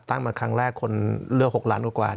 มาครั้งแรกคนเลือก๖ล้านกว่า